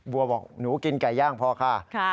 วัวบอกหนูกินไก่ย่างพอค่ะ